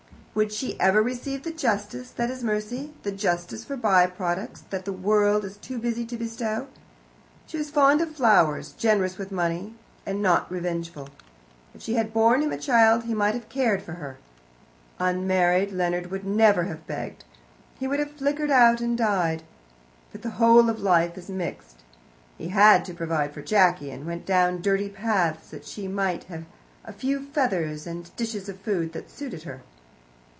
Would she ever receive the justice that is mercy the justice for by products that the world is too busy to bestow? She was fond of flowers, generous with money, and not revengeful. If she had borne him a child he might have cared for her. Unmarried, Leonard would never have begged; he would have flickered out and died. But the whole of life is mixed. He had to provide for Jacky, and went down dirty paths that she might have a few feathers and dishes of food that suited her.